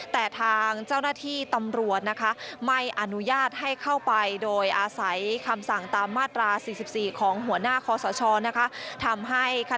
แต่ทางเจ้าหน้าที่ตำรวจ